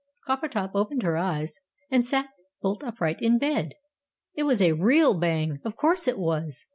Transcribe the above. Coppertop opened her eyes, and sat bolt upright in bed! "It was a REAL Bang! Of course it was!